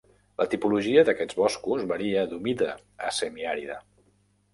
La tipologia d'aquests boscos varia d'humida a semiàrida.